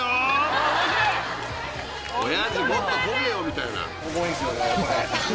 みたいな。